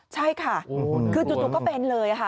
ใช่ค่ะคือจู่ก็เป็นเลยค่ะ